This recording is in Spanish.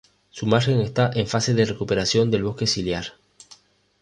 Su margen está en fase de recuperación del bosque ciliar.